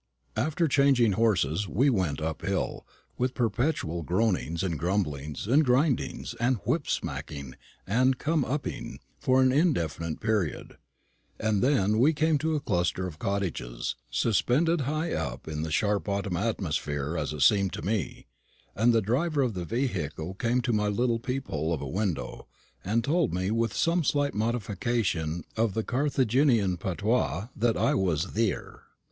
After changing horses, we went up hill, with perpetual groanings, and grumblings, and grindings, and whip smacking and come up ing, for an indefinite period; and then we came to a cluster of cottages, suspended high up in the sharp autumn atmosphere as it seemed to me; and the driver of the vehicle came to my little peephole of a window, and told me with some slight modification of the Carthaginian patois that I was "theer."